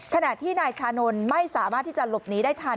ขณะที่นายชานนท์ไม่สามารถที่จะหลบหนีได้ทัน